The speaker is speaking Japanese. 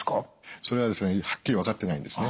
それはですねはっきり分かっていないんですね。